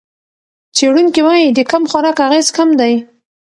څېړونکي وايي د کم خوراک اغېز کم دی.